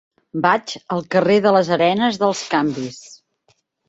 Vaig al carrer de les Arenes dels Canvis.